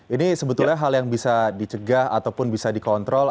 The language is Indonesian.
ini sebetulnya hal yang bisa dicegah ataupun bisa dikontrol